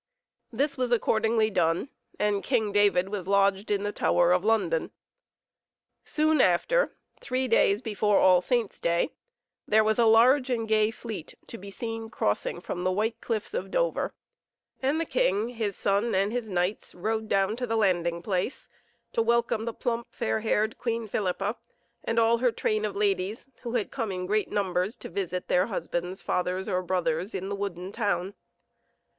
This was accordingly done, and King David was lodged in the Tower of London. Soon after, three days before All Saints' Day, there was a large and gay fleet to be seen crossing from the white cliffs of Dover, and the king, his son, and his knights rode down to the landing place to welcome plump, fair haired Queen Philippa, and all her train of ladies, who had come in great numbers to visit their husbands, fathers, or brothers in the wooden town.